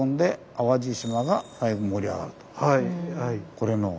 これの。